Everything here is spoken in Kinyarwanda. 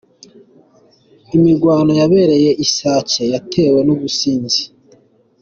Imirwano yabereye i Sake yatewe n’ubusinzi